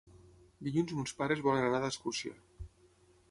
Dilluns mons pares volen anar d'excursió.